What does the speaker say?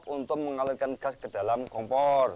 untuk mengalirkan gas ke dalam kompor